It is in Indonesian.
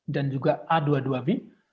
dan juga a dua puluh dua b